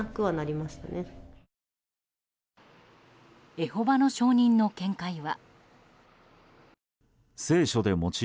エホバの証人の見解は。